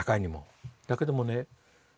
だけどもね